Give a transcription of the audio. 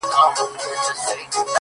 عقیدې يې دي سپېڅلي! شرابونه په لیلام دي!